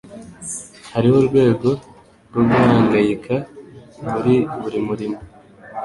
Hariho urwego rwo guhangayika muri buri murimo.